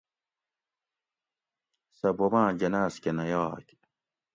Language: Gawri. سہ بوباں جناۤزکہ نہ یاگ